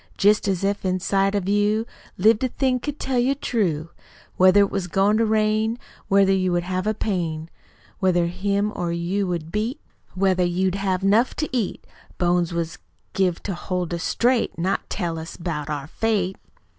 Jest as if inside of you, Lived a thing could tell you true, Whether it was goin' to rain, Whether you would have a pain, Whether him or you would beat, Whether you'd have 'nuf to eat! Bones was give to hold us straight, Not to tell us 'bout our Fate."